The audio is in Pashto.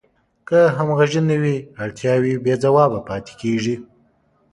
که همغږي نه وي اړتیاوې بې ځوابه پاتې کیږي.